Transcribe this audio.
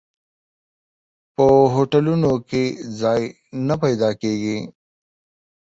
په هوټلونو کې ځای نه پیدا کېږي.